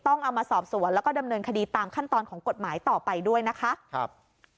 เอามาสอบสวนแล้วก็ดำเนินคดีตามขั้นตอนของกฎหมายต่อไปด้วยนะคะครับ